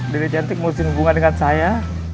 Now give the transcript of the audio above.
dede cantik mesti hubungan dengan saya